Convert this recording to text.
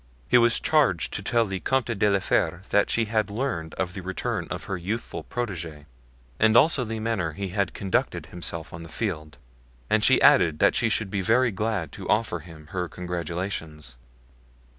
He was charged to tell the Comte de la Fere, that she had learned of the return of her youthful protege, and also the manner he had conducted himself on the field, and she added that she should be very glad to offer him her congratulations.